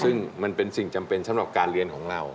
ซึ่งมันเป็นสิ่งจำเป็นสำหรับการเรียนของเรา